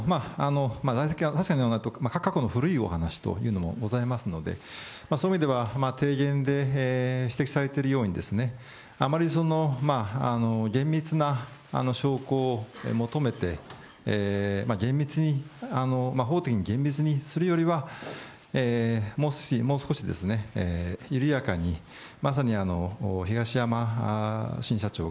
過去の古いお話というのもございますので、そういう意味では提言で指摘されているように、あまり厳密な証拠を求めて、厳密に、法的に厳密にするよりは、もう少し緩やかに、「キュキュット」